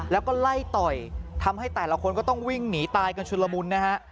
แล้วก็ไล่ต่อยทำให้แต่ละคนก็ต้องวิ่งหนีตายกันชุดละมุนนะฮะ